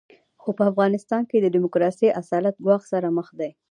خو په افغانستان کې د ډیموکراسۍ اصالت ګواښ سره مخ دی.